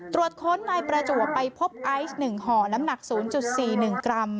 ตรวจค้นนายประจวบไปพบไอซ์๑ห่อน้ำหนัก๐๔๑กรัม